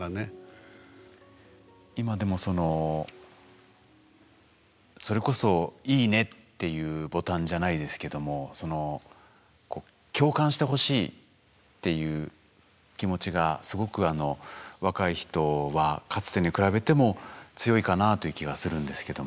今でもそのそれこそ「いいね」っていうボタンじゃないですけどもその「共感してほしい」っていう気持ちがすごくあの若い人はかつてに比べても強いかなという気はするんですけども。